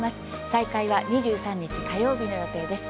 再開は２３日火曜日の予定です。